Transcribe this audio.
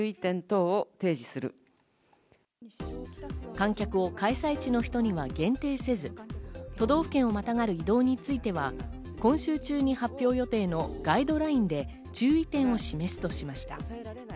観客を開催地の人には限定せず、都道府県をまたがる移動については今週中に発表予定のガイドラインで注意点を示すとしました。